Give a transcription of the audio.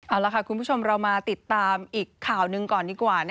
เอาละค่ะคุณผู้ชมเรามาติดตามอีกข่าวหนึ่งก่อนดีกว่า